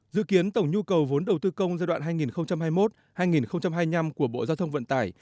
dự kiến tổng nhu cầu vốn đầu tư công giai đoạn hai nghìn hai mươi một hai nghìn hai mươi năm của bộ giao thông vận tải